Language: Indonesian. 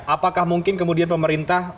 apakah mungkin kemudian pemerintah